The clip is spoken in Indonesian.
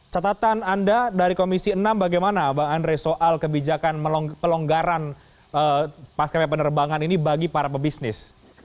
catatan anda dari komisi enam bagaimana bang andre soal kebijakan pelonggaran pasca penerbangan ini bagi para pebisnis